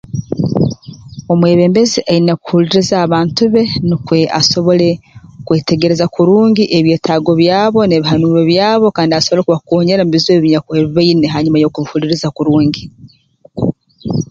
Omwebembezi aine kuhuliiriza abantu be nukwe asobole kwetegereza kurungi ebyetaago byabo n'ebihanuuro byabo kandi asobole kubakoonyera mu bizibu ebinya ebi baine hanyuma y'okubihuliiriza kurungi